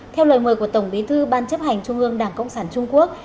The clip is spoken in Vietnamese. theo lời mời của tổng bí thư ban chấp hành trung ương đảng cộng sản trung quốc